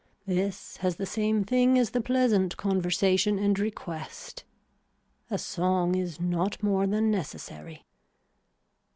This has the same thing as the pleasant conversation and request. A song is not more than necessary.